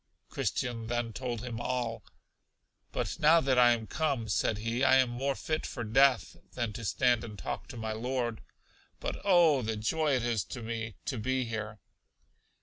Christian then told him all. But now that I am come, said he, I am more fit for death, than to stand and talk to my Lord. But oh, the joy it is to me to be here!